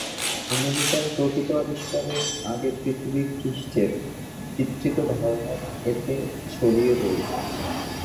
আমেরিকার প্রকৃত আবিষ্কারের আগের পৃথিবী পৃষ্ঠের চিত্রিত ধারণার এতে ছড়িয়ে রয়েছে।